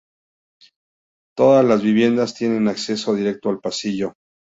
Todas las viviendas tienen acceso directo al pasillo.